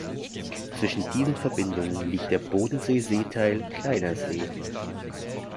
Zwischen diesen Verbindungen liegt der Bodensee-Seeteil Kleiner See.